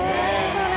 それ。